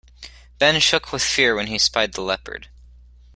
Ben shook with fear when he spied the leopard.